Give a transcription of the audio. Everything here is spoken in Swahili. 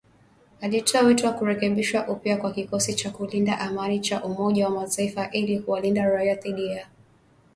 Alitoa wito wa kurekebishwa upya kwa kikosi cha kulinda amani cha Umoja wa Mataifa ili kuwalinda raia dhidi ya unyanyasaji kutoka pande zote katika mzozo.